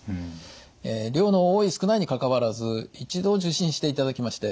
量の多い少ないにかかわらず一度受診していただきまして